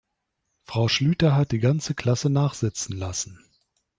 Frau Schlüter hat die ganze Klasse nachsitzen lassen.